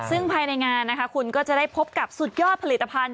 ซึ่งภายในงานนะคะคุณก็จะได้พบกับสุดยอดผลิตภัณฑ